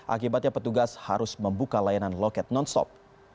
akibatnya petugas harus membuka layanan loket non stop